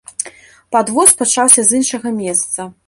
Падвоз пачаўся з іншага месца.